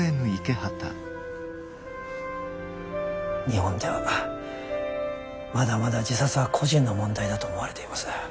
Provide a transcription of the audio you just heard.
日本ではまだまだ自殺は個人の問題だと思われています。